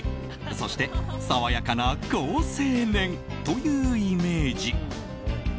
そして、爽やかな好青年というイメージ。